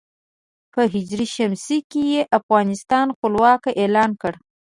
په ه ش کې یې افغانستان خپلواک اعلان کړ.